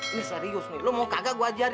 ini serius nih lo mau kagak gue ajarin